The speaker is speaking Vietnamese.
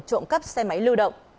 các đối tượng trộm cắp xe máy lưu động